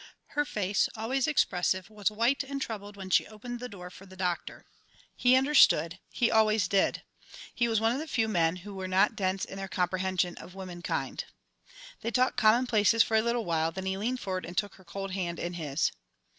Her face, always expressive, was white and troubled when she opened the door for the Doctor. He understood he always did. He was one of the few men who are not dense in their comprehension of womankind. They talked commonplaces for a little while, then he leaned forward and took her cold hand in his.